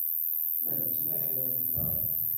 Llant ttmahalent da.